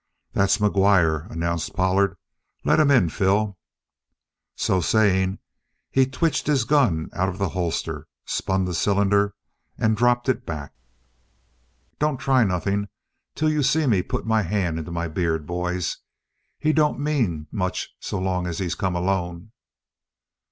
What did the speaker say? "That's McGuire," announced Pollard. "Let him in, Phil." So saying, he twitched his gun out of the holster, spun the cylinder, and dropped it back. "Don't try nothing till you see me put my hand into my beard, boys. He don't mean much so long as he's come alone."